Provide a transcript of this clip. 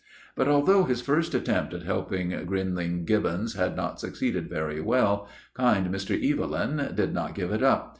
But, although his first attempt at helping Grinling Gibbons had not succeeded very well, kind Mr. Evelyn did not give it up.